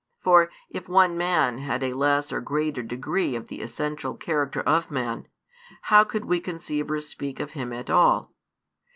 For if one man had a less or greater degree of the essential character of man, how could we conceive or speak of him at all?